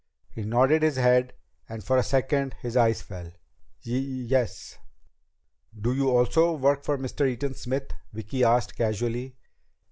He nodded his head and for a second his eyes fell. "Y yes." "Do you also work for Mr. Eaton Smith?" Vicki asked casually.